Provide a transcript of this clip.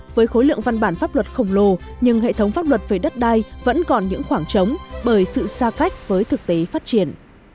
với khối lượng văn bản pháp luật khổng lồ nhưng hệ thống pháp luật về đất đai vẫn còn những khoảng trống bởi sự xa cách với thực tế phát triển